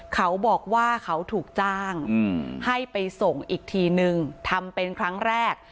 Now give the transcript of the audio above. เขาบอกว่าเขาถูกจ้างให้ไปส่งอีกทีนึงทำเป็นครั้งแรก